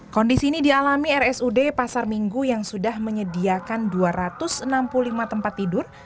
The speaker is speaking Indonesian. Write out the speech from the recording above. kondisi ini dialami rsud pasar minggu yang sudah menyediakan dua ratus enam puluh lima tempat tidur